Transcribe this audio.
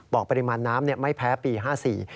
บอกปริมาณน้ำไม่แพ้ปี๕๔